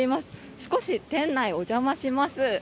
少し店内、お邪魔します。